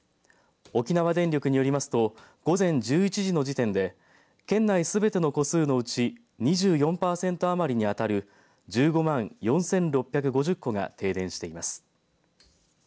沖縄電力によりますと午前１１時の時点で県内すべての戸数のうち２４パーセント余りに当たる１５万４６５０戸が停電しています。